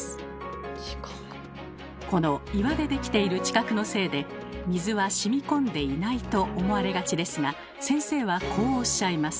この岩で出来ている地殻のせいで水はしみこんでいないと思われがちですが先生はこうおっしゃいます。